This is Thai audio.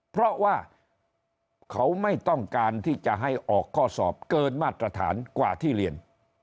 เพราะว่าเขาไม่ต้องการที่จะให้ออกข้อสอบเกินมาตรฐานกว่าที่เรียน